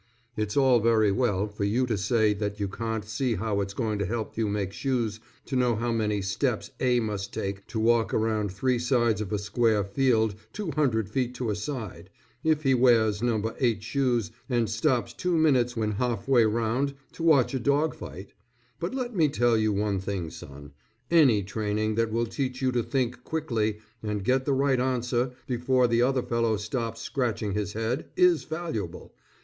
It's all very well, for you to say that you can't see how it's going to help you make shoes to know how many steps A must take to walk around three sides of a square field two hundred feet to a side, if he wears number eight shoes and stops two minutes when half way round to watch a dog fight; but let me tell you one thing, son, any training that will teach you to think quickly, and get the right answer before the other fellow stops scratching his head, is valuable.